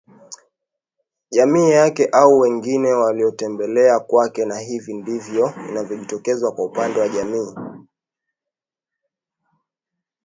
Jamii yake au wageni waliomtembelea kwake Na hivi ndivyo ilivyojitokeza kwa upande wa jamii